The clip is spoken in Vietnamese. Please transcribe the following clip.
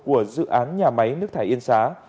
của dự án nhà máy nước thải yên xá